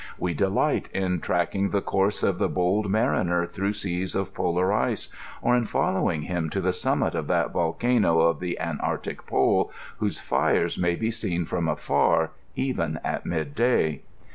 We delight in tracking the course of the bold mariner through seas of polar ice, or in following him to the summit of that volcano of the antarctic pole, whose fixes may be seen from afar, even at mid day.